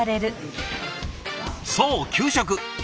そう給食。